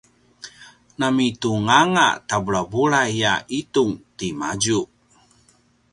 na mitung anga ta bulabulai a itung timadju